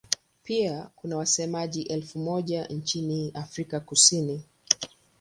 Pia kuna wasemaji elfu moja nchini Afrika Kusini.